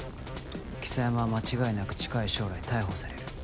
象山は間違いなく近い将来逮捕される。